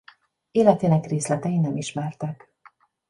Életének részletei nem ismertek.